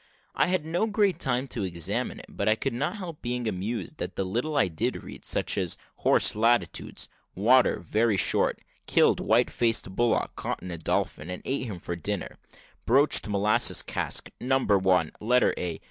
I had no great time to examine it, but I could not help being amused at the little I did read, such as "Horse latitudes water very short killed white faced bullock caught a dolphin, and ate him for dinner broached molasses cask, Number 1, letter A.